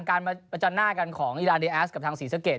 การมาประจันหน้ากันของอีราเดแอสกับทางศรีสะเกด